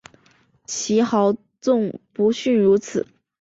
其豪纵不逊如此。